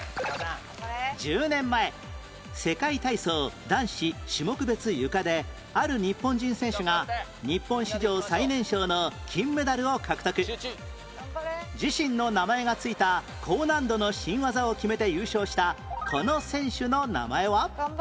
１０年前世界体操男子種目別ゆかである日本人選手が自身の名前が付いた高難度の新技を決めて優勝したこの選手の名前は？